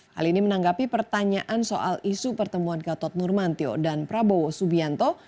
hal ini menanggapi pertanyaan soal isu pertemuan gatot nurmantio dan prabowo subianto